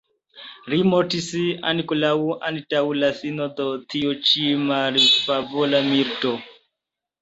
Li mortis ankoraŭ antaŭ la fino de tiu ĉi malfavora milito.